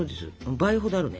倍ほどあるね。